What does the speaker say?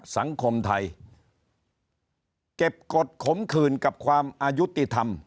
สังคมไทยเก็บกฎขมขื่นกับความอายุติธรรม